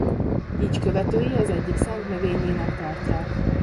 Így követői az egyik szent növényének tartják.